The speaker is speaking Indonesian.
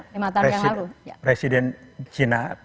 lima tahun yang lalu